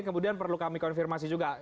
kemudian perlu kami konfirmasi juga